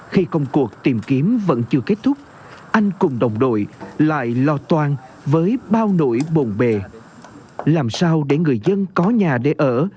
khi công cuộc tìm kiếm vẫn chưa kết thúc anh cùng đồng đội lại lo toan với bao nỗi bồn bề